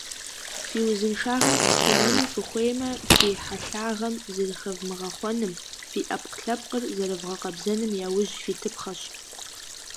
Фи узыншагъэр фхъумэну фыхуеймэ, фи хьэлъагъэм зэрыхэвмыгъэхъуэным, фи Ӏэпкълъэпкъыр зэрывгъэкъэбзэным яужь фитыпхъэщ.